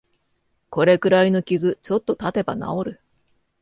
これくらいの傷、ちょっとたてば治る